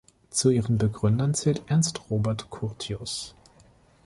Zu ihren Begründern zählt Ernst Robert Curtius.